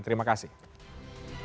terima kasih banyak